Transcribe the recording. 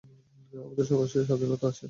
আমাদের সবার সে স্বাধীনতা আছে।